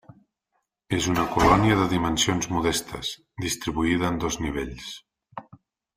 És una colònia de dimensions modestes, distribuïda en dos nivells.